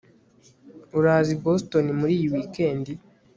uraza i boston muri iyi weekend